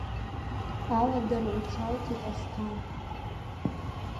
Аладара уҽауҭеит, Асҭан!